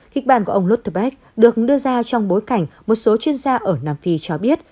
kịch bản của ông louterbeck được đưa ra trong bối cảnh một số chuyên gia ở nam phi cho biết